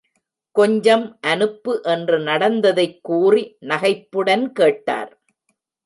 கொஞ்சம் அனுப்பு என்று நடந்ததைக் கூறி நகைப்புடன் கேட்டார்.